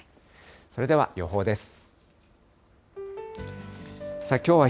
それでは予報です。